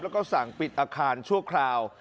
แล้วก็สั่งปิดอาคารชั่วคราว